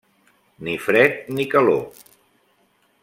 Ni fred ni calor!